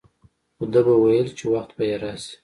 خو ده به ويل چې وخت به يې راسي.